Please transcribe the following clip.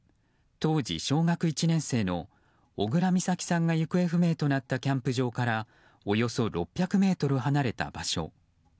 当時小学１年生の小倉美咲さんが行方不明となったキャンプ場からおよそ６００ｍ離れた場所。